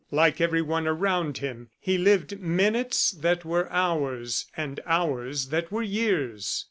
Like everyone around him, he lived minutes that were hours, and hours that were years.